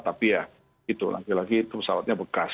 tapi ya itu lagi lagi itu pesawatnya bekas